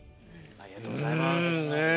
ありがとうございます。